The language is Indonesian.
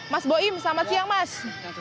mas boim selamat siang mas